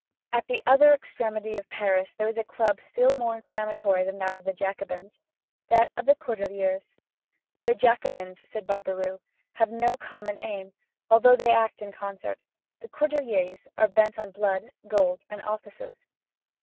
At the other extremity of Paris there is a club still more inflammatory than that of the Jacobins: that of the Cordeliers. "The Jacobins," said Barbaroux, "have no common aim, although they act in concert. The Cordeliers are bent on blood, gold, and offices."